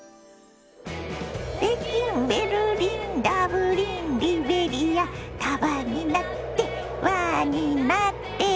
「北京ベルリンダブリンリベリア」「束になって輪になって」